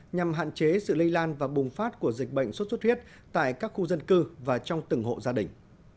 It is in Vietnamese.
nhằm hạn chế sự lây lan và bùng phát của dịch bệnh sốt xuất huyết tại các khu dân cư và trong từng hộ gia đình